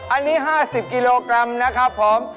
อันนี้๕๐กิโลกรัมนะครับผม